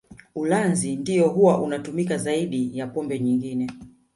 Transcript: Ulanzi ndio huwa unatumika zaidi ya pombe nyingine